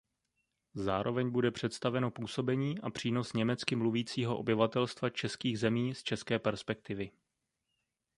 Zároveň bude představeno působení a přínos německy mluvícího obyvatelstva českých zemí z české perspektivy.